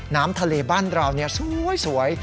น้ำทะเลบ้านเราเนี้ยสวย